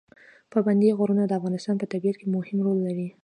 پابندی غرونه د افغانستان په طبیعت کې مهم رول لري.